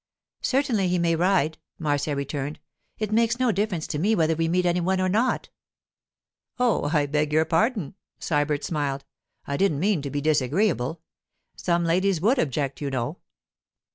'Certainly he may ride,' Marcia returned. 'It makes no difference to me whether we meet any one or not.' 'Oh, I beg your pardon,' Sybert smiled. 'I didn't mean to be disagreeable. Some ladies would object, you know.